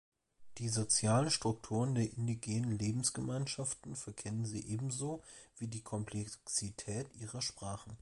Die soziale Struktur der indigenen Lebensgemeinschaften verkennen sie ebenso wie die Komplexität ihrer Sprachen.